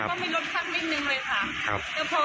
แต่พอบังเอิญน้องแม่จะไปกินเนื้อค่ะ